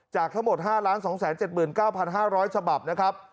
จากทั้งหมด๕๒๗๙๕๐๐ฉบับนะครับ